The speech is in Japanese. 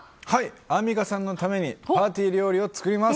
アンミカさんのためにパーティー料理を作ります。